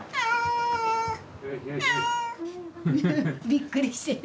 びっくりしている。